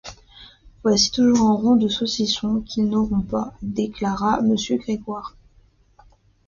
Voici toujours un rond de saucisson qu’ils n’auront pas, déclara Monsieur Grégoire.